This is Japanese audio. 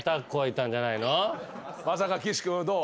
まさか岸君どう？